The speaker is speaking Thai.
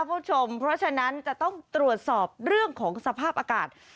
คุณผู้ชมเพราะฉะนั้นจะต้องตรวจสอบเรื่องของสภาพอากาศ